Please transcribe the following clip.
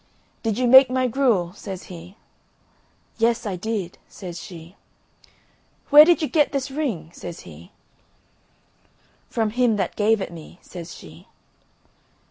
"Did you make my gruel?" says he. "Yes, I did," says she. "Where did you get this ring?" says he. "From him that gave it me," says she.